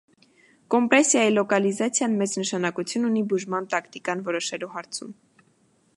Կոմպրեսիայի լոկալիզացիան մեծ նշանակություն ունի բուժման տակտիկան որոշելու հարցում։